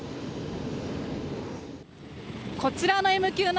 こちらのＭＱ９。